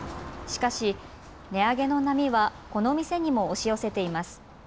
しかし値上げの波はこの店にも押し寄せています。